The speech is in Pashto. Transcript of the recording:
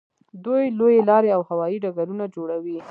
دوی لویې لارې او هوایي ډګرونه جوړوي.